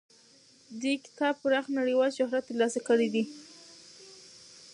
دې کتاب پراخ نړیوال شهرت ترلاسه کړی دی.